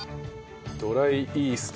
ドライイースト。